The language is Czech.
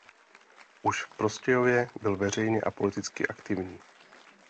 Už v Prostějově byl veřejně a politicky aktivní.